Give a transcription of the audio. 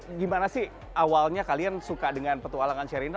ini gimana sih awalnya kalian suka dengan petualangan serina